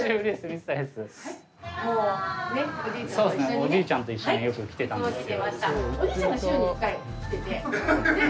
おじいちゃんと一緒によく来てたんですよ。